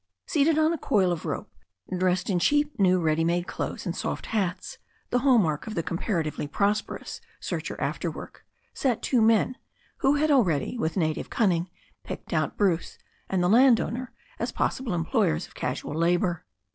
Seated on a coil of rope, dressed in cheap new ready made clothes and soft hats — the hall mark of the compara tively prosperous searcher after work — sat two men, who had already, with native cunning, picked out Bruce and the landowner as possible employers of casual labour.